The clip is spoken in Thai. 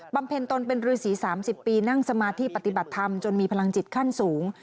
ำเพ็ญตนเป็นฤษี๓๐ปีนั่งสมาธิปฏิบัติธรรมจนมีพลังจิตขั้นสูง